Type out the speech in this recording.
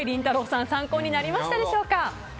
さん参考になりましたでしょうか。